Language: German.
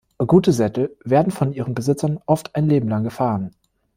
Gute Sättel werden von ihren Besitzern oft ein Leben lang gefahren.